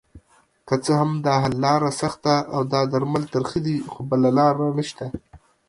که څه هم داحل لاره سخته اودا درمل ترخه دي خو بله لاره نشته